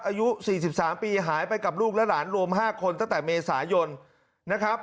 อายุ๔๓ปีหายไปกับลูกและหลานรวม๕คนตั้งแต่เมษายนนะครับ